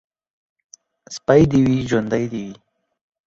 سپى دي وي ، ژوندى دي وي.